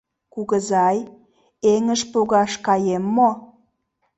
Кугызай, эҥыж погаш каем мо?